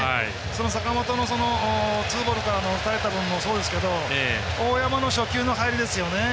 坂本のツーボールから打たれたのもそうですけど大山の初球の入りですよね